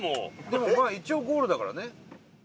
でもまあ一応ゴールだからね。